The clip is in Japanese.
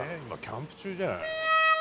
今キャンプ中じゃない？